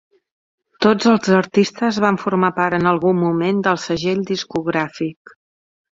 Tots els artistes van formar part en algun moment del segell discogràfic.